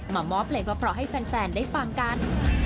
มอบเพลงเพราะให้แฟนได้ฟังกัน